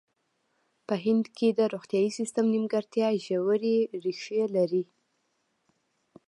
په هند کې د روغتیايي سیستم نیمګړتیا ژورې ریښې لري.